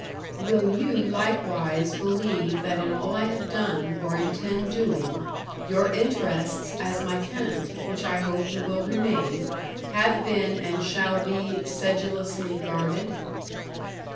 "Will you likewise believe that in all I have done, or intend doing, your interests as my tenant which I hope you will remain have been, and shall be, sedulously guarded?